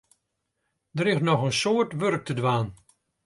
Der is noch in soad wurk te dwaan.